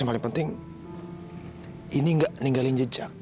yang paling penting ini nggak ninggalin jejak